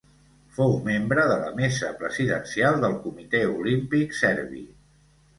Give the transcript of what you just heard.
Fou membre de la mesa presidencial del comitè olímpic serbi.